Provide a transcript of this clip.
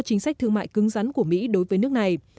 chính sách thương mại cứng rắn của mỹ đối với nước này